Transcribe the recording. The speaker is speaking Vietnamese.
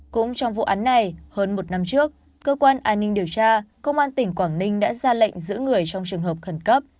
cũng trong vụ án này hơn một năm trước cơ quan an ninh điều tra công an tỉnh quảng ninh đã ra lệnh giữ người trong trường hợp khẩn cấp